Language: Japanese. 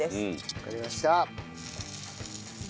わかりました。